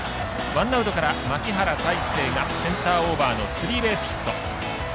ワンアウトから牧原大成がセンターオーバーのスリーベースヒット。